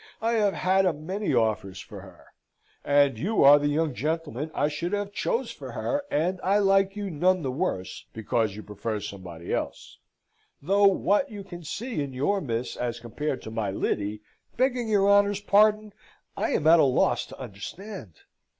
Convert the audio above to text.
I have had a many offers for her. And you are the young gentleman I should have chose for her, and I like you none the worse because you prefer somebody else; though what you can see in your Miss, as compared to my Lyddy, begging your honour's pardon, I am at a loss to understand."